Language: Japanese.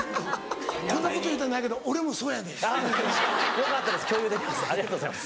こんなこと言いたないけど俺もそうやねん。よかったです共有できます